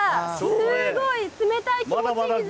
すごい冷たい気持ちいい水でした。